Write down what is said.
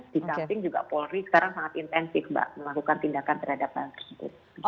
di samping juga polri sekarang sangat intensif mbak melakukan tindakan terhadap hal tersebut